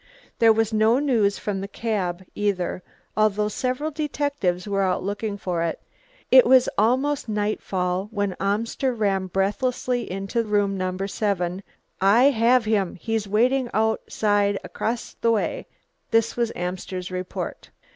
There was no news from the cab either, although several detectives were out looking for it. It was almost nightfall when Amster ran breathlessly into room number seven. "I have him! he's waiting outside across the way!" This was Amster's report.